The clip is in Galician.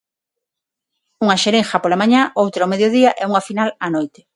Unha xeringa pola mañá, outra ó mediodía e unha final á noite.